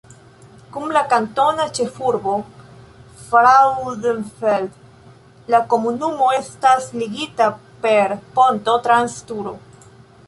Kun la kantona ĉefurbo Frauenfeld la komunumo estas ligita per ponto trans Turo.